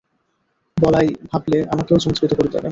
বলাই ভাবলে, আমাকেও চমৎকৃত করে দেবে।